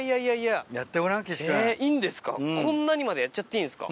こんなやっちゃっていいんすか。